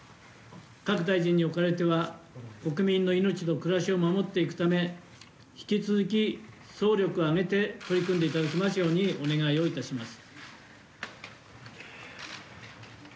各大臣におかれては、国民の命と暮らしを守っていくため、引き続き総力を挙げて取り組んでいただきますようにお願いをいたします。